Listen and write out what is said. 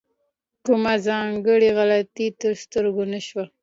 کومه ځانګړې غلطي تر سترګو نه شوه.